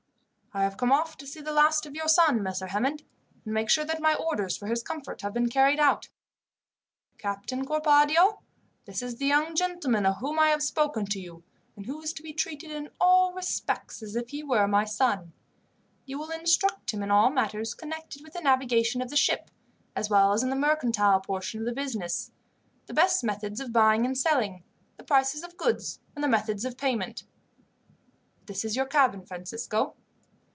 "I have come off to see the last of your son, Messer Hammond, and to make sure that my orders for his comfort have been carried out. "Captain Corpadio, this is the young gentleman of whom I have spoken to you, and who is to be treated in all respects as if he were my son. You will instruct him in all matters connected with the navigation of the ship, as well as in the mercantile portion of the business, the best methods of buying and selling, the prices of goods, and the methods of payment. "This is your cabin, Francisco."